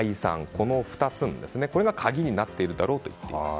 この２つが鍵になっているだろうといわれています。